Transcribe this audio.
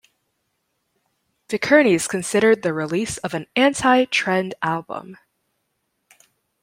Vikernes considered the release an "anti-trend album".